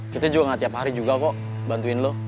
kita juga gak tiap hari juga kok bantuin lo